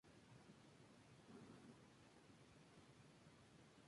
Su hermandad es la "Real y Venerable Cofradía del Señor de las Tribulaciones".